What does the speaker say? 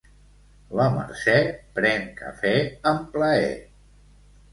La Mercè pren cafè amb plaer.